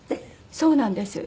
そうなんです。